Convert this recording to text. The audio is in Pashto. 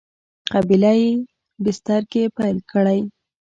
قبیله یي بستر کې پیل کړی.